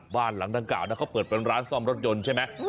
บ้านหลังดังกล่าวเขาเปิดเป็นร้านซ่อมรถยนต์ใช่ไหม